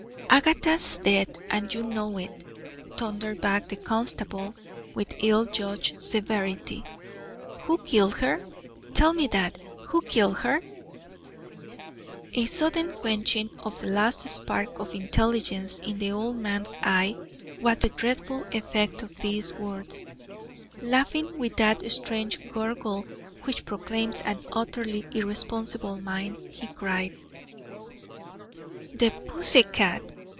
"Agatha's dead and you know it," thundered back the constable, with ill judged severity. "Who killed her? tell me that. Who killed her?" A sudden quenching of the last spark of intelligence in the old man's eye was the dreadful effect of these words. Laughing with that strange gurgle which proclaims an utterly irresponsible mind, he cried: "The pussy cat!